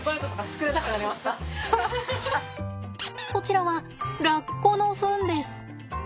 こちらはラッコのフンです。